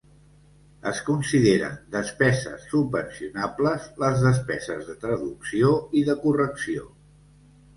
Es consideren despeses subvencionables les despeses de traducció i de correcció.